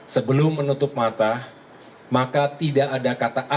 sebelum menutupi perjalanan kita